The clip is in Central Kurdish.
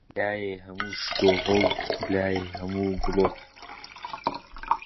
لایێ هەموو شکۆفە و، لایی هەموو گوڵووک